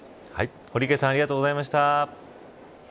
堀池さんありがとうございました。